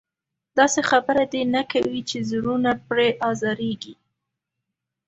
داسې خبره دې نه کوي چې زړونه پرې ازارېږي.